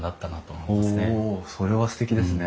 それはすてきですね。